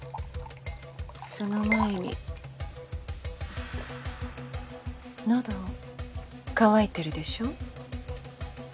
その前に喉乾いてるでしょ？